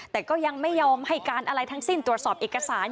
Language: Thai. แต่ก็ยังไม่ยอมให้การอะไรทั้งสิ้นตรวจสอบเอกสาร